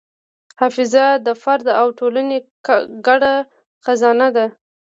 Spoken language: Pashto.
حافظه د فرد او ټولنې ګډ خزانه ده.